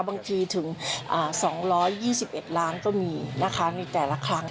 บางทีถึง๒๒๑ล้านก็มีนะคะในแต่ละครั้ง